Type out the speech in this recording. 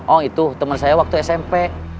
oh itu teman saya waktu smp